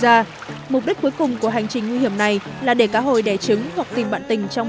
gia mục đích cuối cùng của hành trình nguy hiểm này là để cá hồi đẻ trứng hoặc tìm bạn tình trong